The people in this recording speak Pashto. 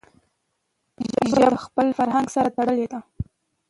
ژبه له خپل فرهنګ سره تړلي ده.